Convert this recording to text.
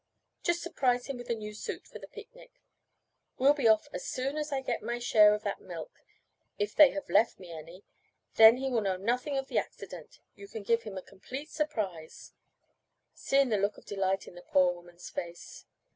Just surprise him with a new suit for the picnic. We'll be off as soon as I get my share of that milk, if they have left me any, then he will know nothing of the accident. You can give him a complete surprise," seeing the look of delight on the poor woman's face.